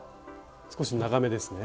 少し長めですね。